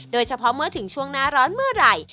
โดยเฉพาะเมื่อถึงช่วงหน้าร้อนเมื่อไหร่